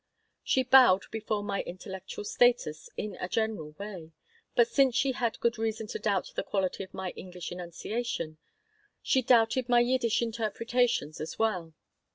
She bowed before my intellectual status in a general way, but since she had good reason to doubt the quality of my English enunciation, she doubted my Yiddish interpretations as well.